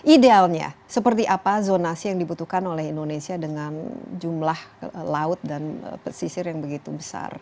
idealnya seperti apa zonasi yang dibutuhkan oleh indonesia dengan jumlah laut dan pesisir yang begitu besar